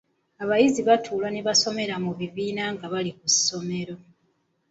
Abayizi batuula ne basomera mu bibiina nga bali ku ssomero.